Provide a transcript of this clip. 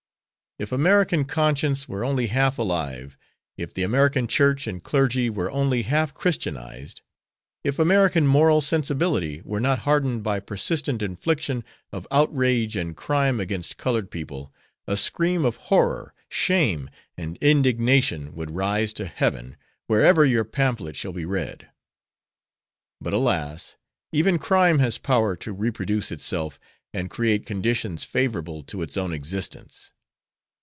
If American conscience were only half alive, if the American church and clergy were only half christianized, if American moral sensibility were not hardened by persistent infliction of outrage and crime against colored people, a scream of horror, shame and indignation would rise to Heaven wherever your pamphlet shall be read. But alas! even crime has power to reproduce itself and create conditions favorable to its own existence.